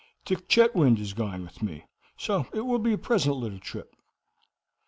Dick Chetwynd is going with me, so it will be a pleasant little trip."